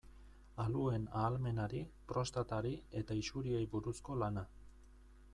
Aluen ahalmenari, prostatari eta isuriei buruzko lana.